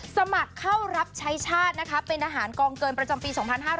สมัครเข้ารับใช้ชาตินะคะเป็นอาหารกองเกินประจำปี๒๕๕๙